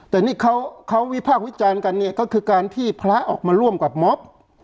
แต่นี่เขาวิพากษ์วิจารณ์กันเนี่ยก็คือการที่พระออกมาร่วมกับม็อบ